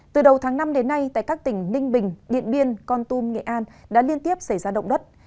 từ đầu tháng năm đến nay tại các tỉnh ninh bình điện biên con tum nghệ an đã liên tiếp xảy ra động đất